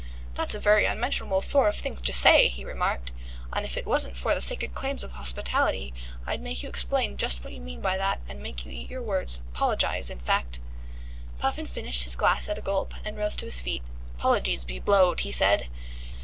"That's a very unmentionable sor' of thing to say," he remarked. "An' if it wasn't for the sacred claims of hospitality, I'd make you explain just what you mean by that, and make you eat your words. 'Pologize, in fact." Puffin finished his glass at a gulp, and rose to his feet. "'Pologies be blowed," he said.